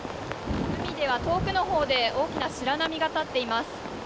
海では、遠くのほうで大きな白波が立っています。